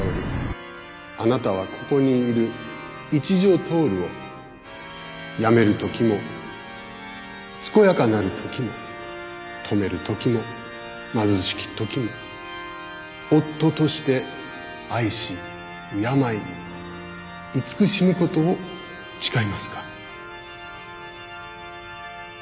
あなたはここにいる一条融を病める時も健やかなる時も富める時も貧しき時も夫として愛し敬い慈しむことを誓いますか？